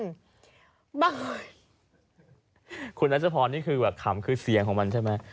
อเจมส์คุณอัจภัทรนี่คือแบบขำคือเสียงของมันใช่ไหม